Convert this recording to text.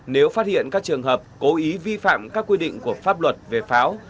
nếu phát hiện các trường hợp cố ý vi phạm các quy định của pháp luật về pháo